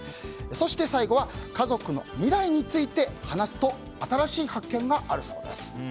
そして最後はかぞくの未来について話すと新しい発見があるそうです。